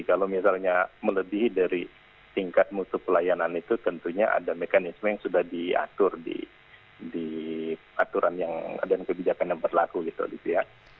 kalau misalnya melebihi dari tingkat musuh pelayanan itu tentunya ada mekanisme yang sudah diatur di aturan dan kebijakan yang berlaku gitu ya